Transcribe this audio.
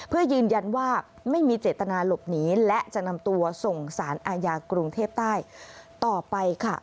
เพื่อยืนยันว่าไม่มีเจตนาหลบหนีและจะนำตัวส่งสารอาญากรุงเทพใต้ต่อไปค่ะ